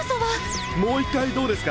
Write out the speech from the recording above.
もう一回どうですか？